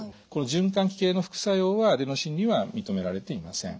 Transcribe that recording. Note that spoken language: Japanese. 循環器系の副作用はアデノシンには認められていません。